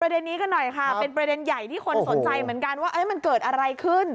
เด็นนี้กันหน่อยค่ะเป็นประเด็นใหญ่ที่คนสนใจเหมือนกันว่ามันเกิดอะไรขึ้น